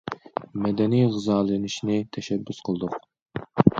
مەدەنىي غىزالىنىشنى تەشەببۇس قىلدۇق.